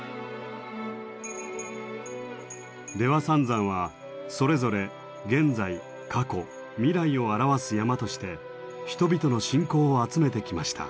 出羽三山はそれぞれ現在過去未来を表す山として人々の信仰を集めてきました。